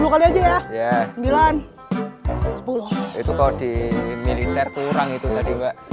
enam tujuh delapan sepuluh kali aja ya sembilan sepuluh itu kau di militer kurang itu tadi